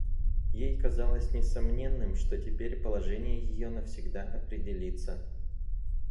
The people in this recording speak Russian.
Ей казалось несомненным, что теперь положение ее навсегда определится.